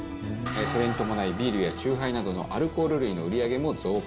それに伴いビールやチューハイなどのアルコール類の売り上げも増加。